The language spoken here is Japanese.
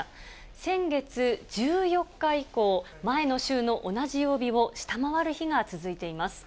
先月１４日以降、前の週の同じ曜日を下回る日が続いています。